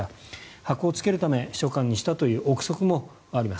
箔をつけるため秘書官にしたという臆測もあります